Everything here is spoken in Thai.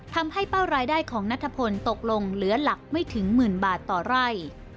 เป้ารายได้ของนัทพลตกลงเหลือหลักไม่ถึงหมื่นบาทต่อไร่